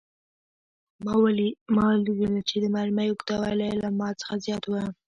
ما ولیدل چې د مرمۍ اوږدوالی له ما څخه زیات و